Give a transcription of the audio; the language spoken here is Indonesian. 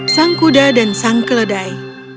sang kuda dan sang keledai